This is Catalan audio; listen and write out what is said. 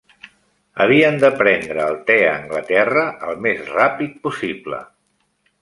Havien de prendre el te a Anglaterra el més ràpid possible.